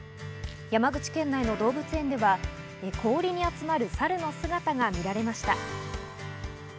山口県内の動物園では氷に集まる猿の姿が見られました。